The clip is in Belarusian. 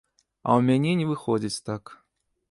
А ў мяне не выходзіць так.